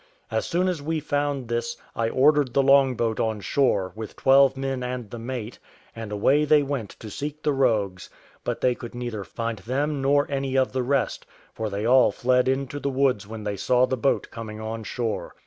As soon as we found this, I ordered the long boat on shore, with twelve men and the mate, and away they went to seek the rogues; but they could neither find them nor any of the rest, for they all fled into the woods when they saw the boat coming on shore.